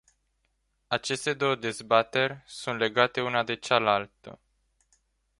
Aceste două dezbateri sunt legate una de cealaltă.